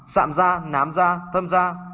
sạm da nám da thâm da